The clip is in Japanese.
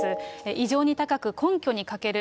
異常に高く、根拠に欠ける。